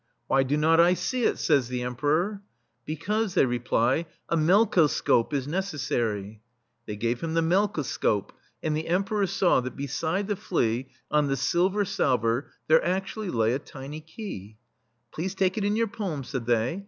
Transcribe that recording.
" Why do not I see it?" says the Em peror. "Because," they reply, "a melko scope is necessary." They gave him the melkoscope, and the Emperor saw that, beside the flea, on the silver salver, there adtually lay a tiny key. "Please take it in your palm," said they.